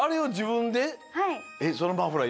えっそのマフラー